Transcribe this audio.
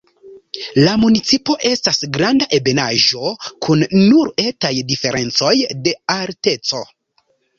La municipo estas granda ebenaĵo kun nur etaj diferencoj de alteco.